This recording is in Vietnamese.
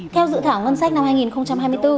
theo dự thảo ngân sách năm hai nghìn hai mươi bốn